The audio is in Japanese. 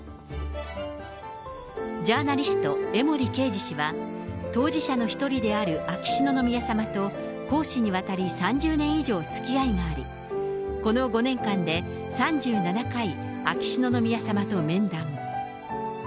ジャーナリスト、江森敬冶氏は当事者の一人である秋篠宮さまと、公私にわたり３０年以上つきあいがあり、この５年間で３７回、秋篠宮さまと面談。